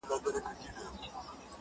• د سړي د کور په خوا کي یو لوی غار وو,